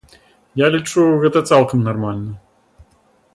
Я лічу, гэта цалкам нармальна.